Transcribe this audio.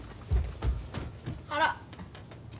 あら。